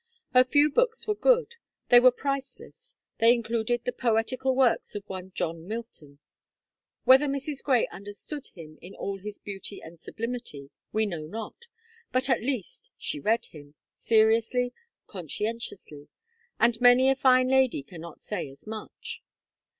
Her few books were good they were priceless; they included the poetical works of one John Milton. Whether Mrs. Gray understood him in all his beauty and sublimity, we know not, but at least, she read him, seriously, conscientiously and many a fine lady cannot say as much.